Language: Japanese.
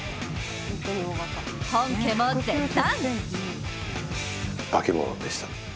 本家も絶賛！